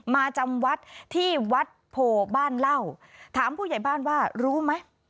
จำวัดที่วัดโพบ้านเหล้าถามผู้ใหญ่บ้านว่ารู้ไหม